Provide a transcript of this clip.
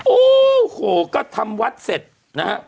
โอ๊ยโหก็ทำวัดเสร็จ